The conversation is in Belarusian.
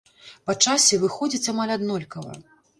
Па часе выходзіць амаль аднолькава.